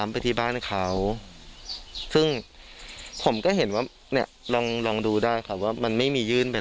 ผมก็ไม่รู้ว่ายังไง